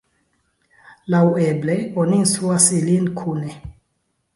Laŭeble, oni instruas ilin kune.